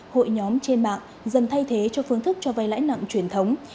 hội nhóm trên mạng dần thay thế cho phương thức cho vay lãi nặng truyền thống